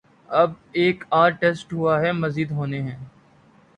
اب ایک آدھ ٹیسٹ ہوا ہے، مزید ہونے ہیں۔